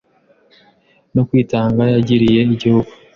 no kwitanga yagiriye Igihugu